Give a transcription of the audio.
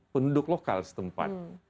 penduk lokal setempat